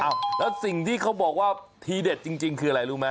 แล้วสิ่งที่เขาบอกว่าทีเด็ดจริงคืออะไรรู้ไหม